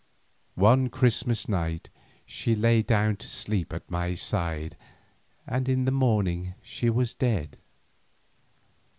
One Christmas night she lay down to sleep at my side, in the morning she was dead.